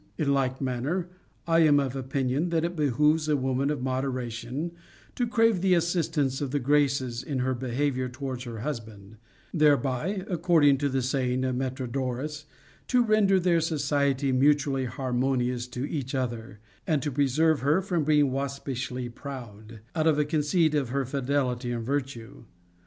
In like man ner, I am of opinion that it behooves a woman of modera tion to crave the assistance of the Graces in her behavior towards her husband, thereby (according to the saying of Metrodorus) to render their society mutually harmonious to each other, and to preserve her from being waspishly proud, out of a conceit of her fidelity and virtue.